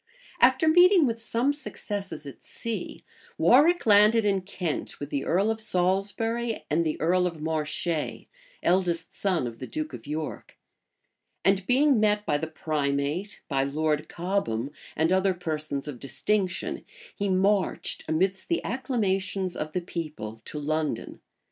} After meeting with some successes at sea, Warwick landed in Kent, with the earl of Salisbury, and the earl of Marche, eldest son of the duke of York; and being met by the primate, by Lord Cobham, and other persons of distinction, he marched, amidst the acclamations of the people, to London.